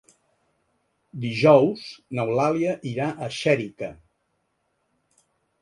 Dijous n'Eulàlia irà a Xèrica.